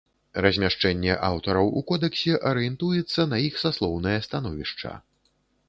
Размяшчэнне аўтараў у кодэксе арыентуецца на іх саслоўнае становішча.